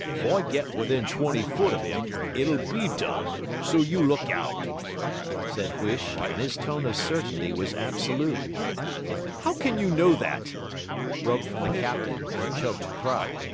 'If I get within twenty foot of 'im it'll be done; so you look out,' said Huish, and his tone of certainty was absolute. 'How can you know that?' broke from the captain in a choked cry.